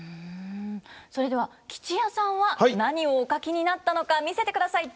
それでは吉弥さんは何をお書きになったのか見せてください。